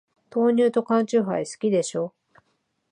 豆乳と缶チューハイ、好きでしょ。